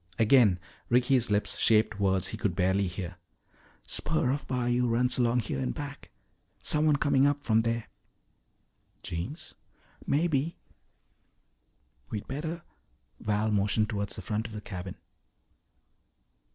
Again Ricky's lips shaped words he could barely hear. "Spur of bayou runs along here in back. Someone coming up from there." "Jeems?" "Maybe." "We'd better " Val motioned toward the front of the cabin.